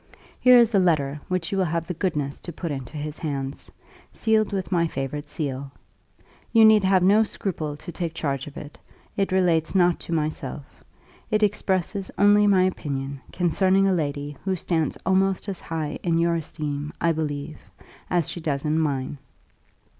Here is a letter which you will have the goodness to put into his hands, sealed with my favourite seal. You need have no scruple to take charge of it; it relates not to myself. It expresses only my opinion concerning a lady who stands almost as high in your esteem, I believe, as she does in mine.